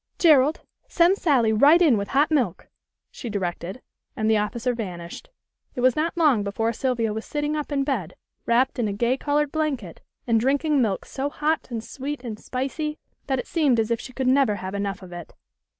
"Gerald, send Sally right in with hot milk," she directed, and the officer vanished. It was not long before Sylvia was sitting up in bed wrapped in a gay colored blanket and drinking milk so hot and sweet and spicy that it seemed as if she could never have enough of it.